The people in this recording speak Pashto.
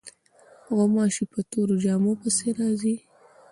غوماشې په تورو جامو پسې راځي.